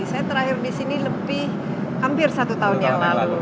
saya terakhir di sini lebih hampir satu tahun yang lalu